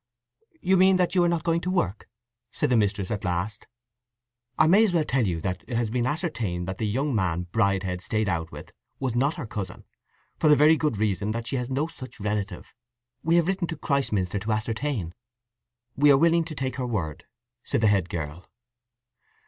"You mean that you are not going to work?" said the mistress at last. "I may as well tell you that it has been ascertained that the young man Bridehead stayed out with was not her cousin, for the very good reason that she has no such relative. We have written to Christminster to ascertain." "We are willing to take her word," said the head girl.